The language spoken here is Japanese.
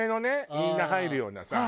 みんな入るようなさ。